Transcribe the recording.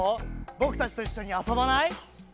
ぼくたちといっしょにあそばない？